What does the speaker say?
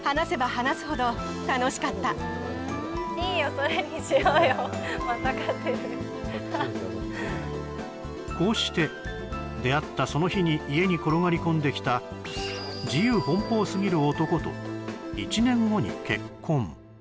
それにしようよこうして出会ったその日に家に転がり込んできた自由奔放すぎる男と１年後に結婚